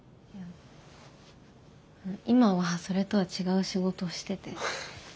今はそれとは違う仕事してて。